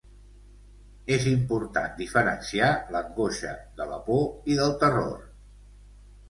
És important diferenciar l'angoixa de la por i del terror.